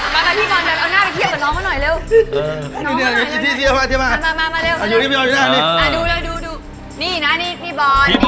พี่ตัดข้อ๔จริงแล้ว